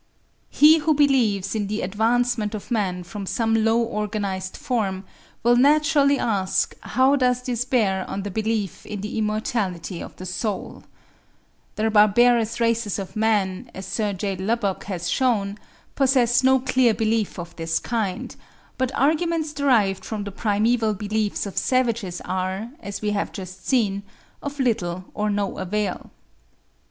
He who believes in the advancement of man from some low organised form, will naturally ask how does this bear on the belief in the immortality of the soul. The barbarous races of man, as Sir J. Lubbock has shewn, possess no clear belief of this kind; but arguments derived from the primeval beliefs of savages are, as we have just seen, of little or no avail.